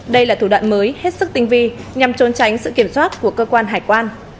đây là thủ đoạn mới hết sức tinh vi nhằm trốn tránh sự kiểm soát của cơ quan hải quan